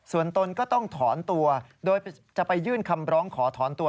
ส่วนตนก็ต้องถอนตัวโดยจะไปยื่นคำร้องขอถอนตัว